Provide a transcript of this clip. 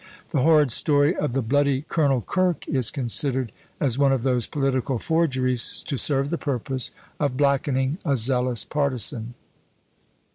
The horrid story of the bloody Colonel Kirk is considered as one of those political forgeries to serve the purpose of blackening a zealous partisan.